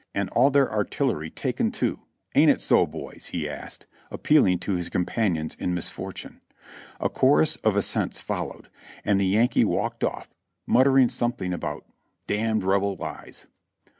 and all their artillery taken too; ain't it so, boys?" he asked, appealing to his companions in misfortune. A chorus of assents followed, and the Yankee walked ofif, muttering something about "d Rebel lies."